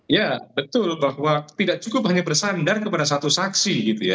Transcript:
ya betul bahwa tidak cukup hanya bersandar kepada satu saksi gitu ya